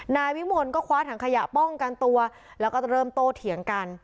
นายวิมลก็คว้าถังขยะป้องกันตัวแล้วก็เริ่มโตเถียงกัน